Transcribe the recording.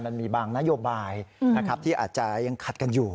มันมีบางนโยบายที่อาจจะยังขัดกันอยู่